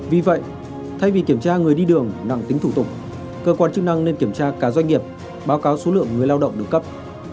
vì vậy thay vì kiểm tra người đi đường nặng tính thủ tục cơ quan chức năng nên kiểm tra cả doanh nghiệp báo cáo số lượng người lao động được cấp